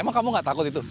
emang kamu nggak takut itu